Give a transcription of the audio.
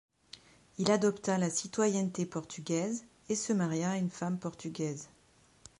Il adopta la citoyenneté portugaise et se maria à une femme portugaise.